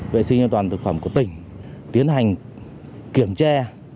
vệ sinh nhân toàn thực phẩm của tỉnh tiến hành kiểm tre